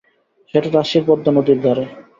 সেটা রাজশাহীর পদ্মা নদীর ধারে।